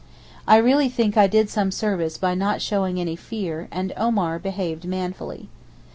I really think I did some service by not showing any fear, and Omar behaved manfully.